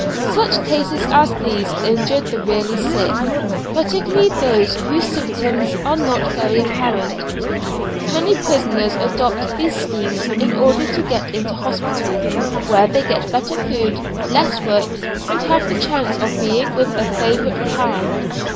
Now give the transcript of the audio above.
Such cases as these injure the really sick, particularly those whose symptoms are not very apparent. Many prisoners adopt these schemes in order to get into hospital, where they get better food, less work, and have the chance of being with a favourite "pal."